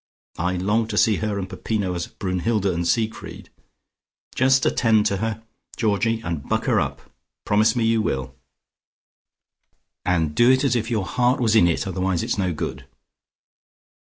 I long to see her and Peppino as Brunnhilde and Siegfried. Just attend to her, Georgie, and buck her up. Promise me you will. And do it as if your heart was in it, otherwise it's no good."